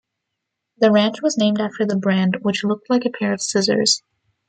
The ranch was named after the brand, which looked like a pair of scissors.